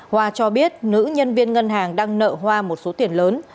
hoa cho biết nữ nhân viên ngân hàng đang nợ hoa một số tiền lớn